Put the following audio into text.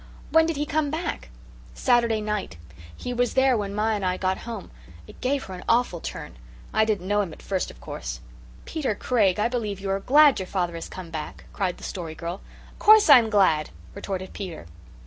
When did he come back?" "Saturday night. He was there when ma and I got home. It give her an awful turn. I didn't know him at first, of course." "Peter Craig, I believe you are glad your father has come back," cried the Story Girl. "'Course I'm glad," retorted Peter.